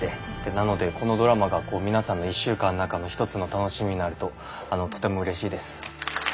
なのでこのドラマが皆さんの１週間の中の一つの楽しみになるととてもうれしいです。